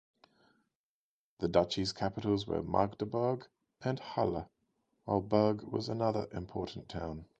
The duchy's capitals were Magdeburg and Halle, while Burg was another important town.